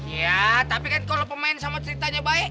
iya tapi kan kalau pemain sama ceritanya baik